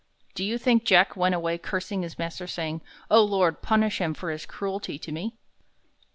Do you think Jack went away cursing his master, saying, "O Lord, punish him for all his cruelty to me"?